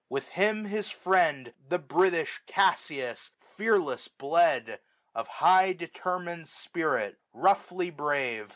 With him His friend, the British Cassius, fearless bled ; SUMMER. i»7 Of high determin'd spirit, roughly brave.